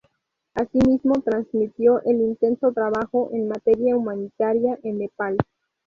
Así mismo, transmitió el intenso trabajo en materia humanitaria en Nepal.